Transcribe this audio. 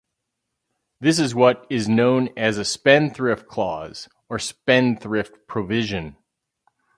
This is what is known as a spendthrift clause or spendthrift provision.